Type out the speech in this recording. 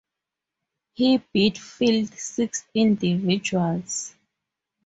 He beatified six individuals.